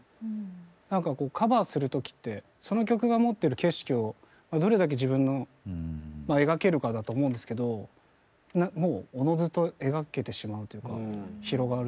なんかこうカバーする時ってその曲が持ってる景色をどれだけ自分の描けるかだと思うんですけどもうおのずと描けてしまうというか広がる感じはしましたね。